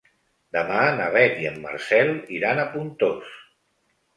Demà na Beth i en Marcel iran a Pontós.